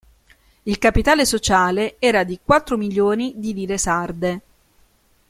Il capitale sociale era di quattro milioni di lire sarde.